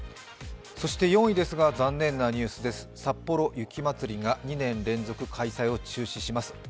そして４位ですが、残念なニュースです、さっぽろ雪まつりが２年連続開催を中止します。